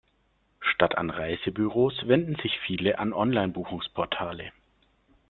Statt an Reisebüros wenden sich viele an Online-Buchungsportale.